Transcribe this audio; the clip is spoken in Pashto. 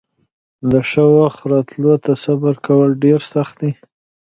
د ښه وخت راتلو ته صبر کول ډېر سخت دي.